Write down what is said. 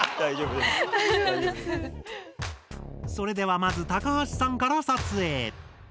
それではまず高橋さんから撮影！